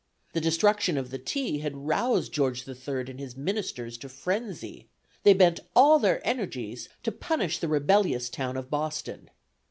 The destruction of the tea had roused George III and his ministers to frenzy; they bent all their energies to punish the rebellious town of Boston.